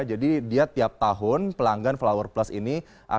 jadi dia tiap tahun pelanggan flower plus ini